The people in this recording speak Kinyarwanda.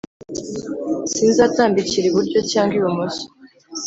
Sinzatambikira iburyo cyangwa ibumoso.